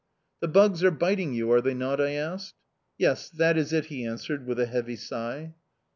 "The bugs are biting you, are they not?" I asked. "Yes, that is it," he answered, with a heavy sigh.